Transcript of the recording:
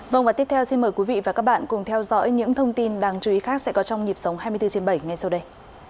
vâng và tiếp theo xin mời quý vị và các bạn cùng theo dõi những thông tin đáng chú ý khác sẽ có trong nhịp sống hai mươi bốn trên bảy ngay sau đây